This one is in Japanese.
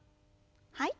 はい。